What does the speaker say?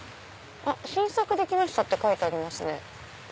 「新作できました」って書いてありますね。